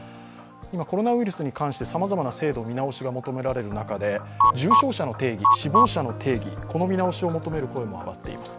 今、コロナウイルスに関してさまざまな制度、見直しが言われる中で重症者、死亡者の定義、この見直しを求める声も上がっています。